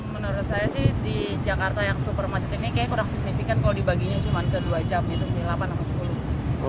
menurut saya sih di jakarta yang super macet ini kayaknya kurang signifikan kalau dibaginya cuma ke dua jam gitu sih delapan atau sepuluh